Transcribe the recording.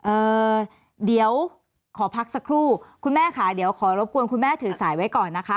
เอ่อเดี๋ยวขอพักสักครู่คุณแม่ค่ะเดี๋ยวขอรบกวนคุณแม่ถือสายไว้ก่อนนะคะ